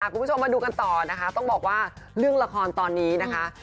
คุณผู้ชมมาดูกันต่อนะคะต้องบอกว่าเรื่องละครตอนนี้นะคะ